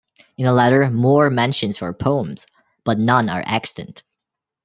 In a letter More mentions her poems, but none are extant.